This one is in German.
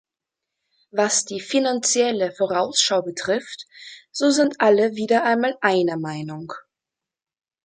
Was die Finanzielle Vorausschau betrifft, so sind alle wieder einmal einer Meinung.